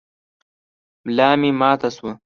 ملا مي ماته شوه .